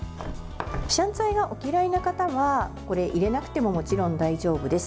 シャンツァイがお嫌いな方は入れなくてももちろん大丈夫です。